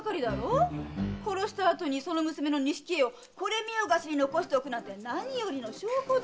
殺した後にその娘の錦絵をこれみよがしに残しておくなんて何よりの証拠だよ！